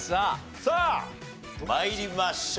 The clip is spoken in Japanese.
さあ参りましょう。